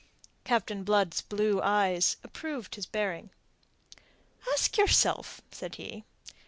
Captain Blood's blue eyes approved his bearing. "Ask yourself," said he.